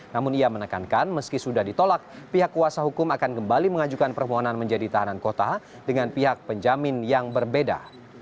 namun ia menekankan meski sudah ditolak pihak kuasa hukum akan kembali mengajukan permohonan menjadi tahanan kota dengan pihak penjamin yang berbeda